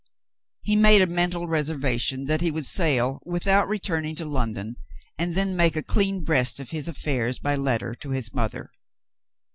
He made a mental reservation that he would sail, without returning to London, and then make a clean breast of his affairs by letter to his mother.